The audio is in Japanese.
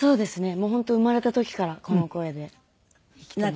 もう本当生まれた時からこの声で生きています。